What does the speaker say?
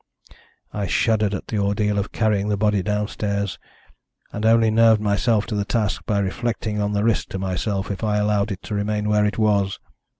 "I shuddered at the ordeal of carrying the body downstairs, and only nerved myself to the task by reflecting on the risk to myself if I allowed it to remain where it was.